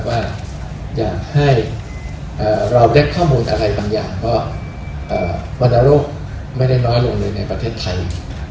ว่าอยากให้เราได้ข้อมูลอะไรบางอย่างเพราะวรรณโรคไม่ได้น้อยลงเลยในประเทศไทย